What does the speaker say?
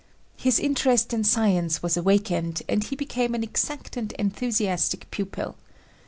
His interest in science was awakened and he became an exact and enthusiastic pupil.